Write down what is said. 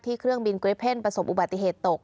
เครื่องบินเกรทเพ่นประสบอุบัติเหตุตก